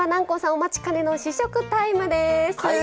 お待ちかねの、試食タイムです。